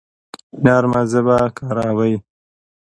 نرمه ژبه کاروئ